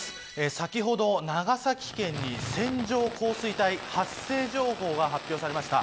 先ほど長崎県に線状降水帯発生情報が発表されました。